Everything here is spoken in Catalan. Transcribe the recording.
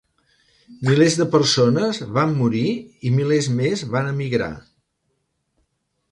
Milers de persones van morir i milers més van emigrar.